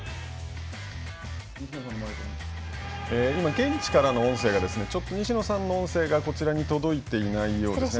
現地からの西野さんの音声がこちらに届いていないようです